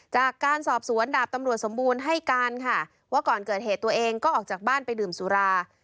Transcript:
จากการสอบสวนดาบตำรวจสมบูรณ์ให้การค่ะว่าก่อนเกิดเหตุตัวเองก็ออกจากบ้านไปดื่มสุรา